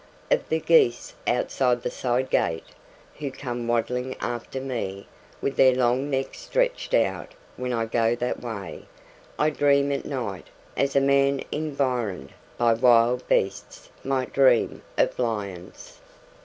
Of the geese outside the side gate who come waddling after me with their long necks stretched out when I go that way, I dream at night: as a man environed by wild beasts might dream of lions.